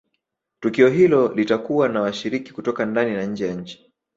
tukio hilo litakuwa na washiriki kutoka ndani na nje ya nchi